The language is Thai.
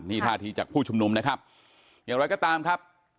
นี่ท่าทีจากผู้ชุมนุมนะครับอย่างไรก็ตามครับ